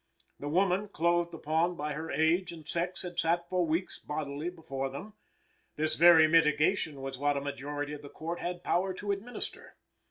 The woman clothed upon by her age and sex had sat for weeks bodily before them. This very mitigation was what a majority of the Court had power to administer.